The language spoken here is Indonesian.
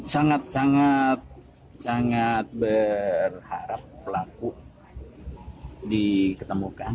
sangat sangat berharap pelaku diketemukan